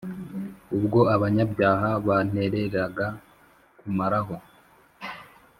Ubwo abanyabyaha bantereraga kumaraho